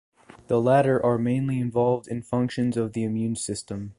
The latter are mainly involved in functions of the immune system.